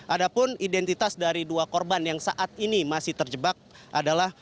ada pun identitas dari dua korban yang saat ini masih terjebak adalah